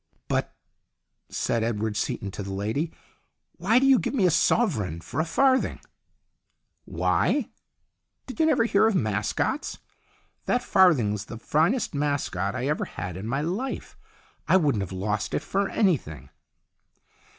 "But," said Edward Seaton to the lady, "why do you give me a sovereign for a farthing ?"" Why ? Did you never hear of mascots ? That farthing's the finest mascot I ever had in my life. I wouldn't have lost it for anything."